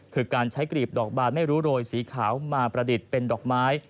คือการใช้กรีบดอกบานไม่รู้โรยสีขาวมาประดิษฐ์เป็นดอกไม้